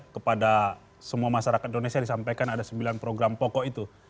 kepada semua masyarakat indonesia disampaikan ada sembilan program pokok itu